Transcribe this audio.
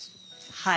はい。